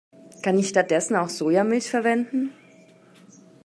Kann ich stattdessen auch Sojamilch verwenden?